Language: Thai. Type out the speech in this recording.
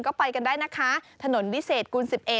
ก็ไปกันได้นะคะถนนวิเศษกูล๑๑